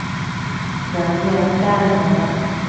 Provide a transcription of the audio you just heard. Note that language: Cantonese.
兩樣皆可